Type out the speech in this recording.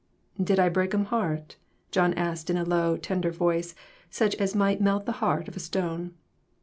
"Did I break 'um heart?" John asked in a low, tender voice, such as might melt the heart of a stone.